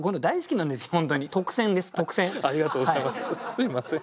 すみません。